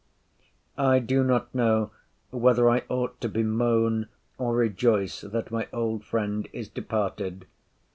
I do not know whether I ought to bemoan or rejoice that my old friend is departed.